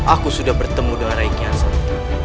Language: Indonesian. aku sudah bertemu dengan rai kiason